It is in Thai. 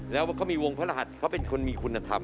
แล้วเขามีวงพระรหัสเขาเป็นคนมีคุณธรรม